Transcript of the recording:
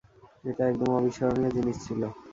এটা একদম অবিস্মরণীয় জিনিস ছিল।